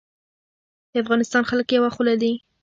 د افغانستان خلک یوه خوله دي